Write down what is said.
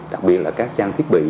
đặc biệt là các trang thiết bị